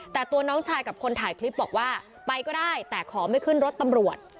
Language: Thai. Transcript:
แต่ตัวน้องชายกับคนถ่ายคลิปบอกว่าไปก็ได้แต่ขอไม่ขึ้นรถตำรวจ